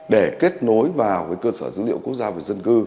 để kết nối vào cơ sở dữ liệu quốc gia về dân cư